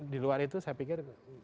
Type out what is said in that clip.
di luar itu saya pikir